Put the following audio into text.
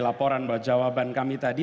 laporan bahwa jawaban kami tadi